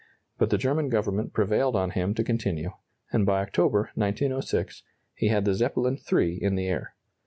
But the German Government prevailed on him to continue, and by October, 1906, he had the Zeppelin III in the air.